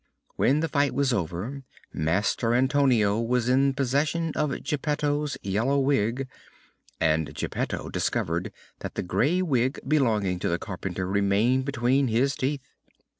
When the fight was over Master Antonio was in possession of Geppetto's yellow wig, and Geppetto discovered that the grey wig belonging to the carpenter remained between his teeth.